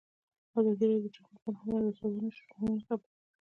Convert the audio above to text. ازادي راډیو د ټولنیز بدلون په اړه د استادانو شننې خپرې کړي.